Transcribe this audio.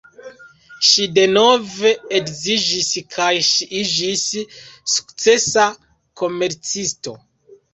Ŝi denove edziniĝis kaj ŝi iĝis sukcesa komercisto.